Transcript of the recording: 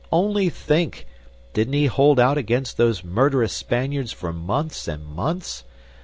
Only think! Didn't he hold out against those murderous Spaniards for months and months?